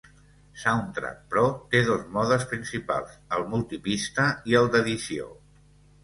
Soundtrack Pro té dos modes principals: el multipista i el d'edició.